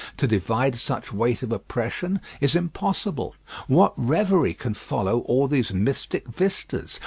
To divide such weight of oppression is impossible. What reverie can follow all these mystic vistas?